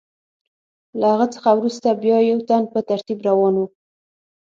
له هغه څخه وروسته بیا یو تن په ترتیب روان و.